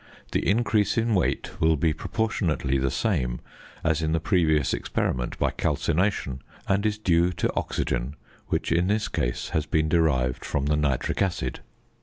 The increase in weight will be proportionally the same as in the previous experiment by calcination, and is due to oxygen, which in this case has been derived from the nitric acid.